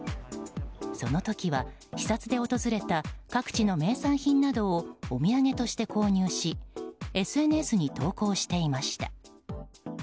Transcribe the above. その時は視察で訪れた各地の名産品などをお土産として購入しＳＮＳに投稿していました。